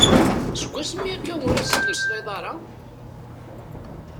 Seg wasmi akka ur as-tettmeslayeḍ ara?